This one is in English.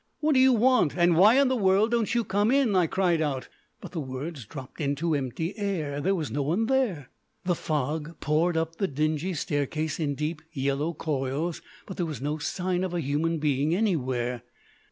"What do you want, and why in the world don't you come in?" I cried out. But the words dropped into empty air. There was no one there. The fog poured up the dingy staircase in deep yellow coils, but there was no sign of a human being anywhere.